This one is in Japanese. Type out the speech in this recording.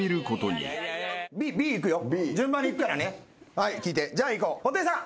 はい聴いてじゃあいこう布袋さん